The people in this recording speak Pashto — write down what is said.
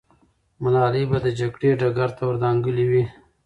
ملالۍ به د جګړې ډګر ته ور دانګلې وي.